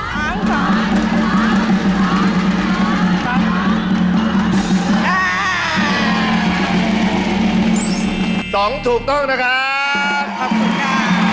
สองถูกต้องนะคะครับคนหน้า